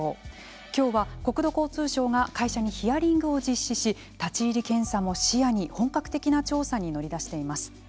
今日は、国土交通省が会社にヒアリングを実施し立ち入り検査も視野に本格的な調査に乗り出しています。